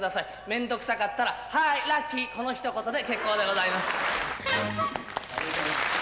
めんどくさかったら、ハーイ、ラッキー、このひと言で結構でございます。